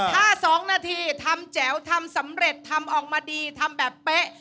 ถ้า๒นาทีทำแจ๋วทำสำเร็จทำออกมาดีทำแบบเป๊ะ